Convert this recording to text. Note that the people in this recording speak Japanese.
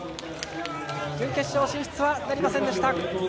準決勝進出はなりませんでした。